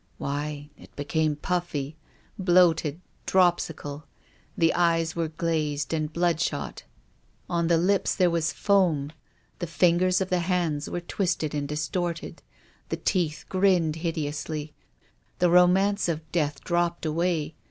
"Why, it became puffy, bloated, drojisical. The eyes were glazed and bloodshot. On the lips 92 TONGUES OF CONSCIENCE. there was foam. The fingers of the hands were twisted and distorted. The teeth grinned hid eously. The romance of death dropped away.